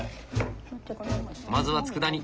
まずはつくだ煮。